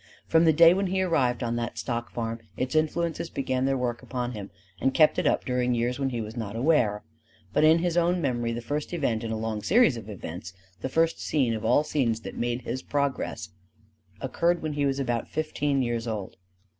From the day when he arrived on that stock farm its influences began their work upon him and kept it up during years when he was not aware. But in his own memory the first event in the long series of events the first scene of all the scenes that made his Progress occurred when he was about fifteen years old.